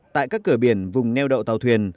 tại các cửa biển vùng neo đậu tàu thuyền